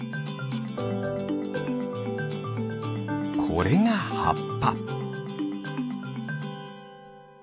これがはっぱ。